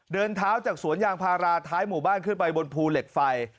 เดินเท้าจากสวนยางพาราท้ายหมู่บ้านขึ้นไปบนภูเหล็กไฟ